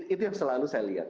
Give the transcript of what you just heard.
itu yang selalu saya lihat